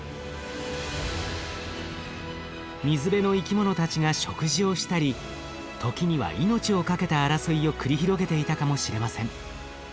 水辺の生き物たちが食事をしたり時には命をかけた争いを繰り広げていたかもしれません。